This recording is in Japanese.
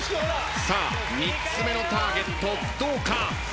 ３つ目のターゲットどうか？